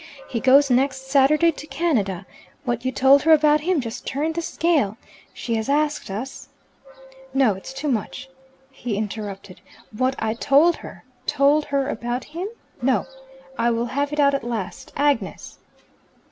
He goes next Saturday to Canada. What you told her about him just turned the scale. She has asked us " "No, it's too much," he interrupted. "What I told her told her about him no, I will have it out at last. Agnes!"